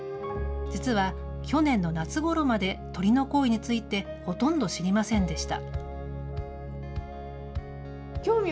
実は去年の夏ごろまで鳥の声について、ほとんど知りませんでした。